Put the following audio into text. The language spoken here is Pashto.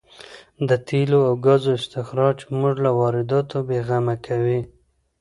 د تېلو او ګازو استخراج موږ له وارداتو بې غمه کوي.